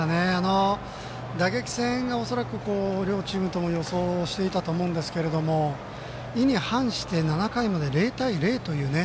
打撃戦が恐らく両チームとも予想していたと思うんですが意に反して７回まで０対０というね。